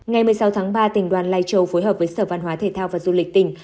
ngày một mươi sáu tháng ba tỉnh đoàn lai châu phối hợp với sở văn hóa thể thao và du lịch tỉnh